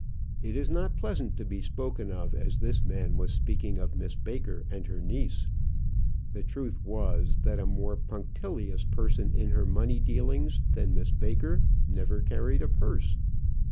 It is not pleasant to be spoken of as this man was speaking of Miss Baker and her niece. The truth was, that a more punctilious person in her money dealings than Miss Baker never carried a purse.